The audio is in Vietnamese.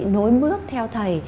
nối mước theo thầy